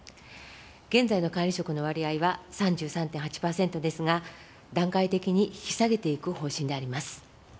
現在の管理職の割合は３３．８％ですが、段階的に引き下げていく方針であります。